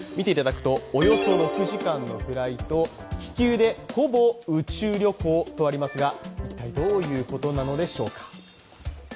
およそ６時間のフライト、気球でほぼ宇宙旅行とありますが、一体どういうことなのでしょうか。